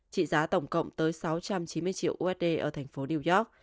trị giá tổng cộng tới sáu trăm chín mươi triệu usd ở thành phố new york